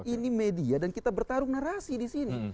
ini media dan kita bertarung narasi di sini